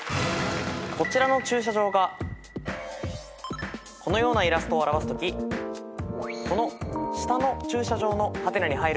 こちらの駐車場がこのようなイラストを表すときこの下の駐車場の。